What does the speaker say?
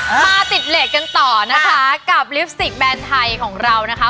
มาติดเลสกันต่อนะคะกับลิปสติกแบรนด์ไทยของเรานะคะ